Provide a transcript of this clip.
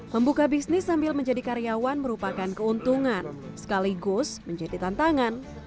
membuka bisnis sambil menjadi karyawan merupakan keuntungan sekaligus menjadi tantangan